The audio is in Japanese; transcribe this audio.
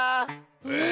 え！